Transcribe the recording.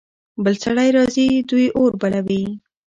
بل سړی راځي. دوی اور بلوي.